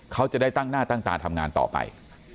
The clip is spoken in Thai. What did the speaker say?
เขาจะได้ตั้งหน้าตั้งตาทำงานต่อไป